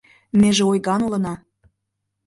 Меже ойган улына.